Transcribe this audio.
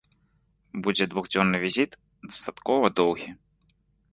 Будзе двухдзённы візіт, дастаткова доўгі.